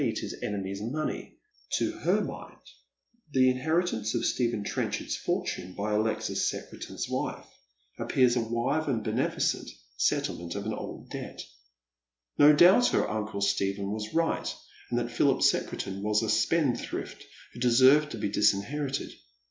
te his enemy's money. To her mind the inheritance of Stephen Trs^ncli.ard'fj fortune by Alexia Secreti'.n't) wife ap]j)t'ars a witic and bi;m. Iicent bettleinent of an Sir Wil/ord has Ms own wa)f, 1 79 old debt No doubt her uncle Stephen was right, and that Philip Secretin was a spendthrift who deserved to be disinherited.